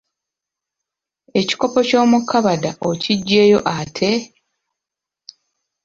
Ebikopo by’omu kkabada okiggyeeyo ate?